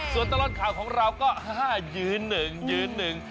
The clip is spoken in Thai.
ส่วนตลอดข่าวของเราก็ยื้อนึง